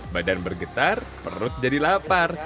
badan bergetar perut jadi lapar